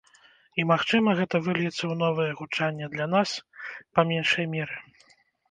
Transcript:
І, магчыма, гэта выльецца ў новае гучанне для нас, па меншай меры.